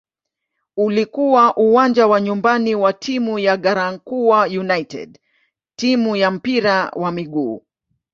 Ulikuwa uwanja wa nyumbani wa timu ya "Garankuwa United" timu ya mpira wa miguu.